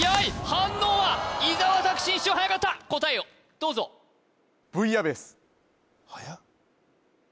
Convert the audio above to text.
反応は伊沢拓司一瞬はやかった答えをどうぞはやっ